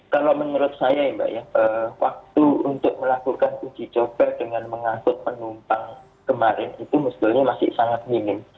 kalau menurut saya ya mbak ya waktu untuk melakukan uji coba dengan mengangkut penumpang kemarin itu musdalnya masih sangat minim